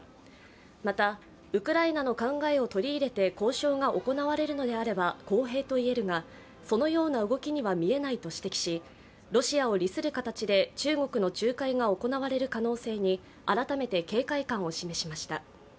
またウクライナの考えを取り入れて交渉が行われるのであれば公平と言えるが、そのような動きには見えないと指摘しロシアを利する形で中国の仲介が行われる可能性に改めて警戒感を示しました。